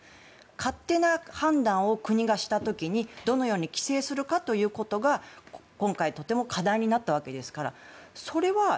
勝手な判断を国がした時にどのように規制するかということが今回、課題になったわけです。